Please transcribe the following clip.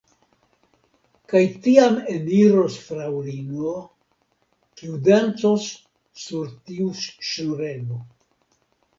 Kaj tiam eniros fraŭlino, kiu dancos sur tiu ŝnurego.